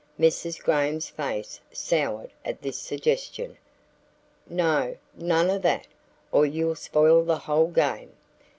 (Mrs. Graham's face soured at this suggestion.) "No, none of that, or you'll spoil the whole game.